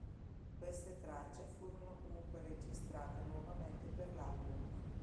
Queste tracce furono comunque registrate nuovamente per l'album.